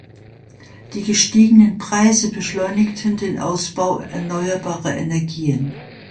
Die gestiegenen Preise beschleunigten den Ausbau erneuerbarer Energien.